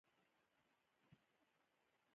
دا حالات انسان د مايوسي په لور کشوي.